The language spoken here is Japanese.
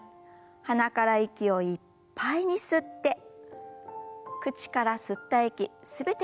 鼻から息をいっぱいに吸って口から吸った息全て吐き出しましょう。